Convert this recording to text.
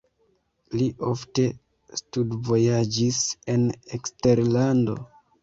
Li ofte studvojaĝis en eksterlando.